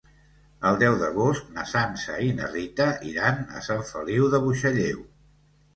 El deu d'agost na Sança i na Rita iran a Sant Feliu de Buixalleu.